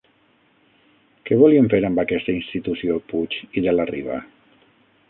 Què volien fer amb aquesta institució Puig i de la Riba?